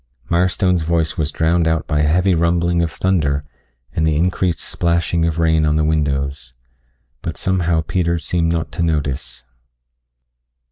Mirestone's voice was drowned out by a heavy rumbling of thunder and the increased splashing of rain on the windows. But somehow Peter seemed not to notice.